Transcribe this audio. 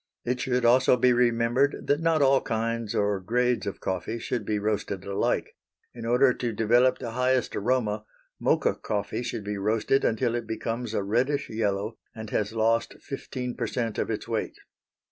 It should also be remembered that not all kinds or grades of coffee should be roasted alike. In order to develop the highest aroma, Mocha coffee should be roasted until it becomes a reddish yellow, and has lost 15 per cent of its weight.